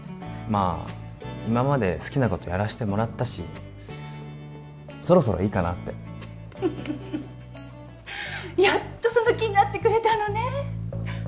まあ今まで好きなことやらしてもらったしそろそろいいかなってやっとその気になってくれたのね